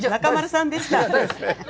中丸さんでした。